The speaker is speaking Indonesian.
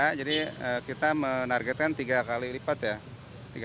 ya jadi kita menargetkan tiga kali lipat ya